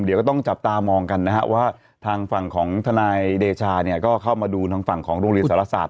เดี๋ยวก็ต้องจับตามองกันนะฮะว่าทางฝั่งของทนายเดชาเนี่ยก็เข้ามาดูทางฝั่งของโรงเรียนสารศาสต